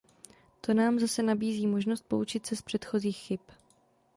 To nám zase nabízí možnost poučit se z předchozích chyb.